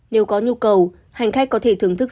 nếu có nhu cầu hành khách có thể thưởng thức